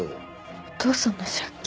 お父さんの借金。